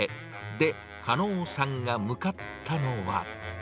で、加納さんが向かったのは。